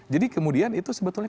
jadi kemudian itu sebetulnya